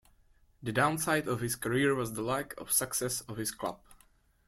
The downside of his career was the lack of success of his club.